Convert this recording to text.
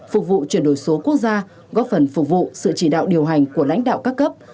phục vụ chuyển đổi số quốc gia góp phần phục vụ sự chỉ đạo điều hành của lãnh đạo các cấp